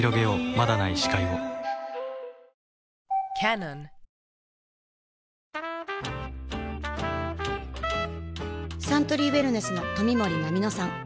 まだない視界をサントリーウエルネスの冨森菜美乃さん